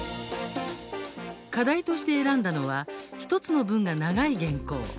課題として選んだのは１つの文が長い原稿。